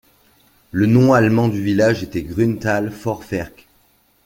Le nom allemand du village était Grünthal Vorwerk.